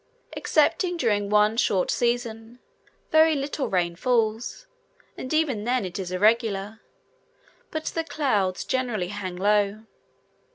Excepting during one short season, very little rain falls, and even then it is irregular; but the clouds generally hang low.